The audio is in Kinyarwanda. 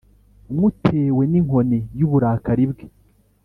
nywutewe n’inkoni y’uburakari bwe.